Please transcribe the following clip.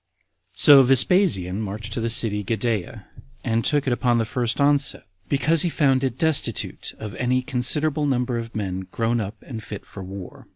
1. So Vespasian marched to the city Gadara, and took it upon the first onset, because he found it destitute of any considerable number of men grown up and fit for war.